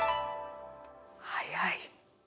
早い。